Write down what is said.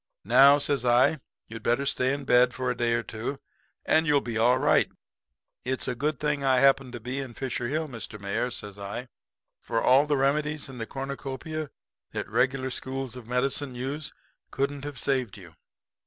"'Now,' says I, 'you'd better stay in bed for a day or two, and you'll be all right. It's a good thing I happened to be in Fisher Hill, Mr. Mayor,' says I, 'for all the remedies in the cornucopia that the regular schools of medicine use couldn't have saved you.